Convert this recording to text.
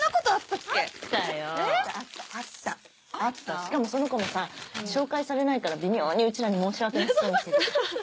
しかもその子もさ紹介されないから微妙にうちらに申し訳なさそうにしててさ。